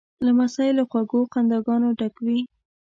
لمسی له خوږو خنداګانو ډک وي.